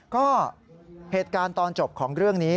ก็เหตุการณ์ตอนจบของเรื่องนี้